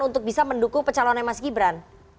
untuk bisa mendukung pecalonnya mas gibran